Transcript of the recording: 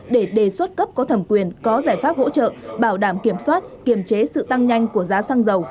để đề xuất cấp có thẩm quyền có giải pháp hỗ trợ bảo đảm kiểm soát kiểm chế sự tăng nhanh của giá xăng dầu